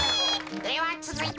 ではつづいて。